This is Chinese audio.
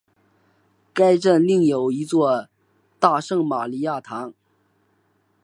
该镇另有一座大圣马利亚堂。